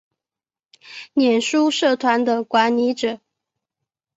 脸书社团的管理者